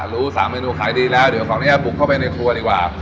รู้๓เมนูขายดีแล้วเดี๋ยวขออนุญาตบุกเข้าไปในครัวดีกว่า